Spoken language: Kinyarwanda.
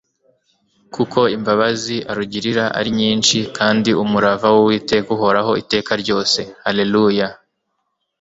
Kuko imbabazi arugirira ari nyinshi, Kandi umurava w'Uwiteka Uhoraho iteka ryose. Haleluya.y»